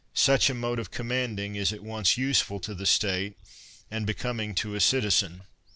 Such a mode of commanding is at once useful to the State, and becoming to a citizen.